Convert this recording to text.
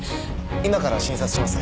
今から診察します。